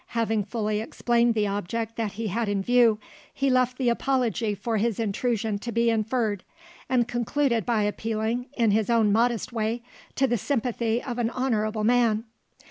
Having fully explained the object that he had in view, he left the apology for his intrusion to be inferred, and concluded by appealing, in his own modest way, to the sympathy of an honourable man.